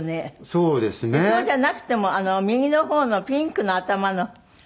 そうじゃなくても右の方のピンクの頭のやつなんか。